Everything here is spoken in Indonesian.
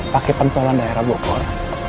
pakai pentolan daerah bogor